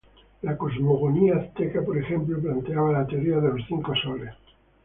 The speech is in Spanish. La cosmogonía azteca, por ejemplo, planteaba la teoría de los cinco soles.